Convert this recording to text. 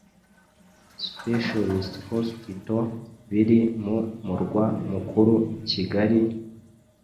Specialist Hospital biri mu murwa mukuru Kigali,